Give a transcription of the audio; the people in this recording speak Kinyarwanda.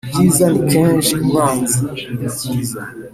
ibyiza ni kenshi umwanzi wibyiza.